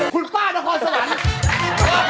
คุณป้านครสวรรค์